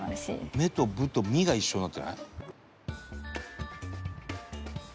「“め”と“ぶ”と“み”が一緒になってない？」